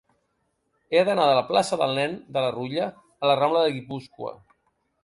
He d'anar de la plaça del Nen de la Rutlla a la rambla de Guipúscoa.